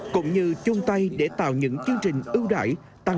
cũng như chung tay để tạo những chương trình ưu đại